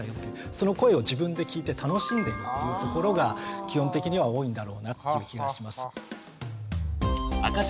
その声を自分で聞いて楽しんでるというところが基本的には多いんだろうなっていう気がします。